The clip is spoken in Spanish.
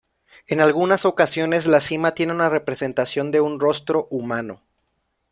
En algunas ocasiones la cima tiene una representación de un rostro humano.